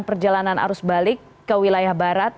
perjalanan arus balik ke wilayah barat